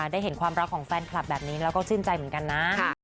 ได้เห็นความรักของแฟนคลับแบบนี้แล้วก็ชื่นใจเหมือนกันนะ